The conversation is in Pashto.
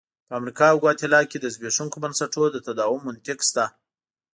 په امریکا او ګواتیلا کې د زبېښونکو بنسټونو د تداوم منطق شته.